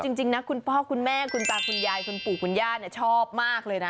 จริงนะคุณพ่อคุณแม่คุณตาคุณยายคุณปู่คุณย่าชอบมากเลยนะ